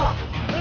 mereka bisa berdua